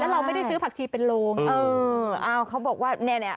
แล้วเราไม่ได้ซื้อผักชีเป็นโลงเออเอาเขาบอกว่าเนี่ย่ะ